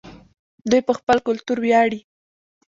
دوی په خپل کلتور ویاړي.